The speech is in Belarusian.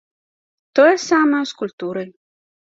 Тое самае з культурай.